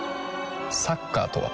サッカーとは？